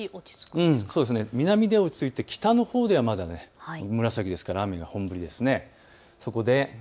南で落ち着いて、北のほうではまだ紫ですから雨が本降りです。